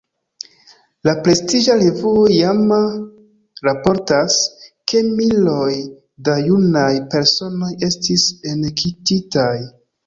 La prestiĝa revuo Jama raportas, ke miloj da junaj personoj estis enketitaj.